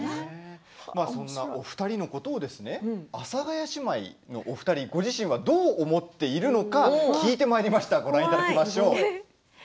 そんなお二人のことを阿佐ヶ谷姉妹のお二人ご自身がどう思っているのか聞いてまいりました。